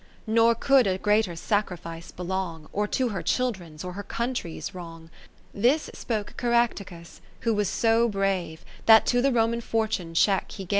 Nor could a greater sacrifice belong. Or to her children's, or her country's wrong. 40 This spoke Caractacus, who was so brave, That to the Roman Fortune check he gave :' Sic in orig.